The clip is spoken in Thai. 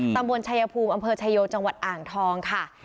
ตำบลชายภูมิอำเภอชายโยจังหวัดอ่างทองค่ะ